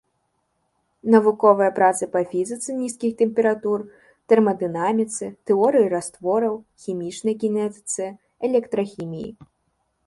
Навуковыя працы па фізіцы нізкіх тэмператур, тэрмадынаміцы, тэорыі раствораў, хімічнай кінетыцы, электрахіміі.